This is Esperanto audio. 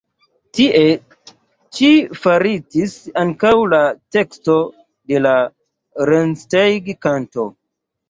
Tie ĉi faritis ankaŭ la teksto de la "Rennsteig-kanto".